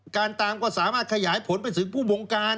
ตามก็สามารถขยายผลไปถึงผู้บงการ